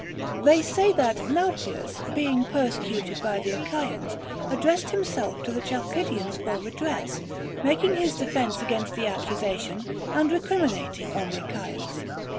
They say that Nauplius, being persecuted by the Achaeans, addressed himself to the Chalcidians for redress, making his defence against the accusation and recriminating on the Achaeans.